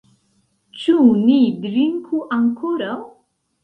Ĉu ni drinku ankoraŭ?